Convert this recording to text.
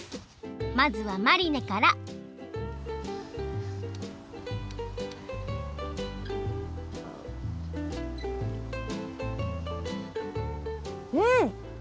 まずはマリネからうん！